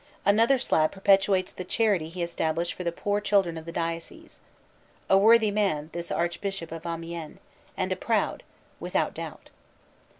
Another slab perpetuates the charity he established for the poor children of the diocese. A worthy man, this Lord Archbishop of Amiens; and a proud, without doubt.